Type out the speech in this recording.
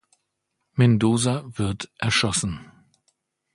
Mendoza wird erschossen.